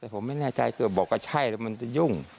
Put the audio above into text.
แต่ผมไม่แน่ใจคือบอกว่าใช่แล้วมันจะยุ่ง